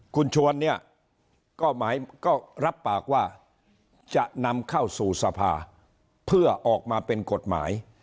คุณชวนเนี่ยก็หมายก็รับปากว่าจะนำเข้าสู่สภาเพื่อออกมาเป็นกฎหมาย